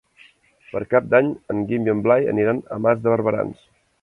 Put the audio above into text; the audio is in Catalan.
Per Cap d'Any en Guim i en Blai aniran a Mas de Barberans.